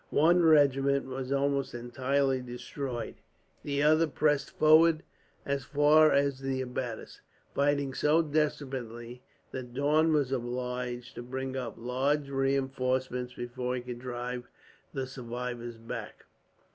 One regiment was almost entirely destroyed, the other pressed forward as far as the abattis, fighting so desperately that Daun was obliged to bring up large reinforcements before he could drive the survivors back.